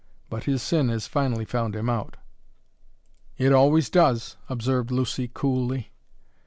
But his sin has finally found him out." "It always does," observed Lucy coolly.